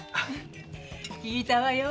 聞いたわよ